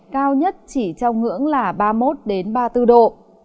cao nhất chỉ trong ngưỡng là ba mươi một ba mươi bốn độ